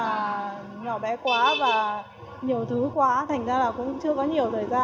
và nhỏ bé quá và nhiều thứ quá thành ra là cũng chưa có nhiều thời gian